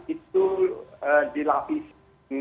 itu dilapisi dengan latar belakang